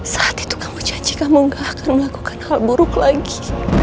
saat itu kamu janji kamu gak akan melakukan hal buruk lagi